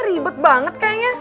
ribet banget kayaknya